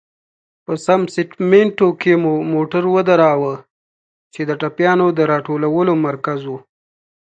په سمسټمینټو کې مو موټر ودراوه، چې د ټپيانو د را ټولولو مرکز و.